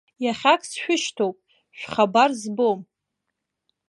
Иахьак сшәышьҭоуп, шәхабар збом!